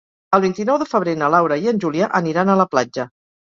El vint-i-nou de febrer na Laura i en Julià aniran a la platja.